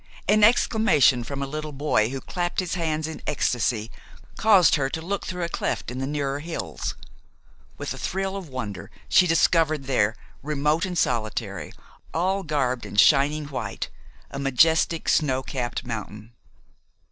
An exclamation from a little boy who clapped his hands in ecstasy caused her to look through a cleft in the nearer hills. With a thrill of wonder she discovered there, remote and solitary, all garbed in shining white, a majestic snow capped mountain.